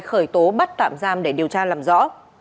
khởi tố bắt tạm giam để điều tra làm rõ